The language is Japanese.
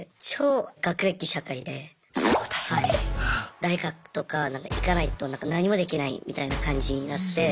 大学とか行かないと何もできないみたいな感じになって。